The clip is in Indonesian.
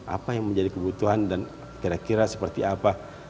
apa yang menjadi kebutuhan dan kira kira seperti apa